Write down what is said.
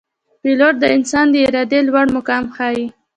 پیلوټ د انسان د ارادې لوړ مقام ښيي.